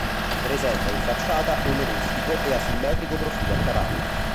Presenta in facciata un rustico e asimmetrico profilo a capanna.